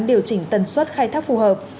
điều chỉnh tần suốt khai thác phù hợp